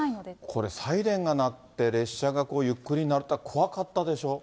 これ、サイレンが鳴って、列車がゆっくりになると怖かったでしょう？